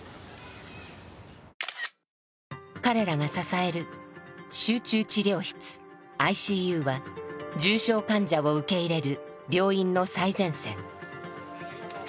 彼らが支える「集中治療室ＩＣＵ」は重症患者を受け入れる病院の最前線。